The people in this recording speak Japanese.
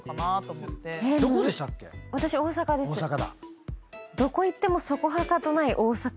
どこ行ってもそこはかとない大阪臭がする。